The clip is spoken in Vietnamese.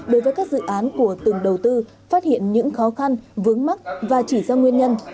đối với các dự án của từng đầu tư phát hiện những khó khăn vướng mắt và chỉ ra nguyên nhân